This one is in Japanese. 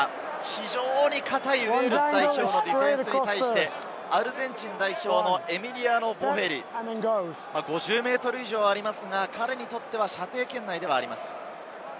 非常に堅いウェールズ代表のディフェンスに対して、アルゼンチン代表のエミリアノ・ボフェリ、５０ｍ以上ありますが、彼にとっては射程圏内ではあります。